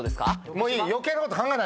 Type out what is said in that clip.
もういい。